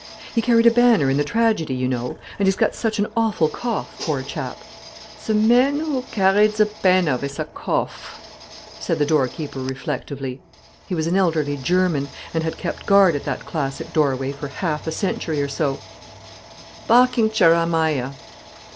"He carried a banner in the tragedy, you know; and he's got such an awful cough, poor chap." "Ze man who garried ze panner vith a gough," said the door keeper reflectively. He was an elderly German, and had kept guard at that classic doorway for half a century or so; "Parking Cheremiah."